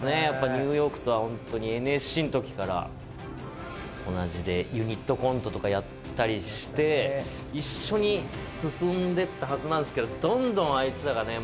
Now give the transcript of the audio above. ニューヨークとはホントにＮＳＣの時から同じでユニットコントとかやったりして一緒に進んでったはずなんすけどどんどんあいつらがね